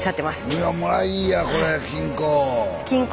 いやもらいやこれ金庫。